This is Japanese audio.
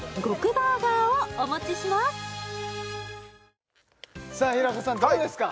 バーガーをお持ちしますさあ平子さんどうですか？